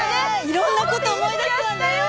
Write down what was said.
いろんな事思い出すわね。